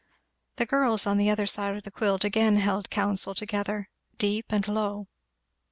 The girls on the other side of the quilt again held counsel together, deep and low.